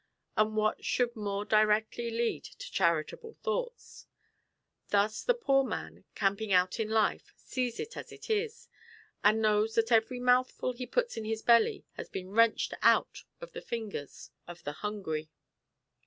And what should more directly lead to charitable thoughts? ... Thus the poor man, camping out in life, sees it as it is, and knows that every mouthful he puts in his belly has been wrenched out of the fingers of the hungry.